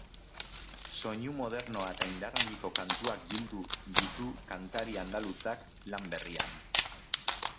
Soinu modernoa eta indar handiko kantuak bildu ditukantari andaluzak lan berrian.